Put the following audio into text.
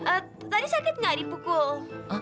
eh tadi sakit nggak dipukul